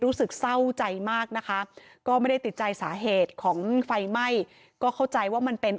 รู้สึกเศร้าใจมากนะคะก็ไม่ได้ติดใจสาเหตุของไฟไหม้ก็เข้าใจว่ามันเป็น